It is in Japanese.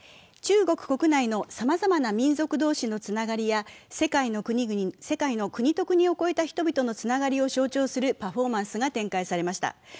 中国国内のさまざまな民族同士のつながりや世界の国と国を越えた人々のつながりを象徴するパフォーマンスが展開されました。